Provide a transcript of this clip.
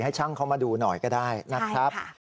ให้ช่างเขามาดูหน่อยก็ได้นะครับ